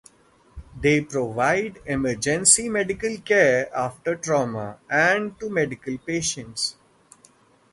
They provide emergency medical care after trauma and to medical patients.